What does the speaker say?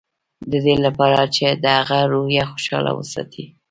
د دې لپاره چې د هغه روحيه خوشحاله وساتي.